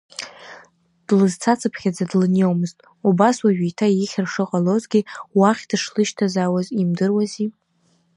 Длызцацыԥхьаӡа длыниомызт, убас уажәы еиҭа ихьыр шыҟалозгьы, уахь дышлышьҭазаауаз имдыруази.